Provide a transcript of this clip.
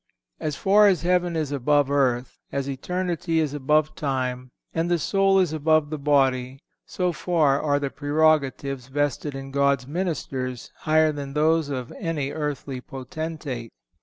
(500) As far as heaven is above earth, as eternity is above time, and the soul is above the body, so far are the prerogatives vested in God's ministers higher than those of any earthly potentate.